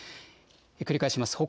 繰り返します。